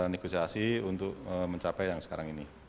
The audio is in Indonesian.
negosiasi untuk mencapai yang sekarang ini